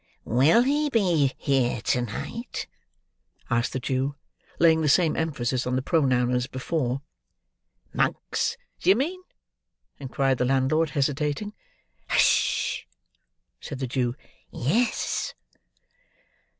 "Will he be here to night?" asked the Jew, laying the same emphasis on the pronoun as before. "Monks, do you mean?" inquired the landlord, hesitating. "Hush!" said the Jew. "Yes."